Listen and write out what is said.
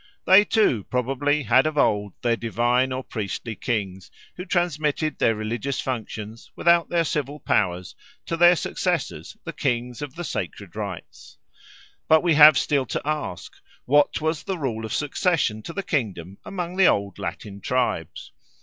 They too probably had of old their divine or priestly kings, who transmitted their religious functions, without their civil powers, to their successors the Kings of the Sacred Rites. But we have still to ask, What was the rule of succession to the kingdom among the old Latin tribes?